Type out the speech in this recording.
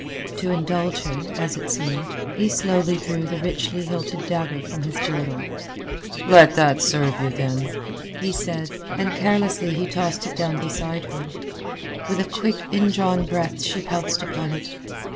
To indulge her, as it seemed, he slowly drew the richly hilted dagger from his girdle. "Let that serve you, then," he said; and carelessly he tossed it down beside her. With a quick indrawn breath she pounced upon it.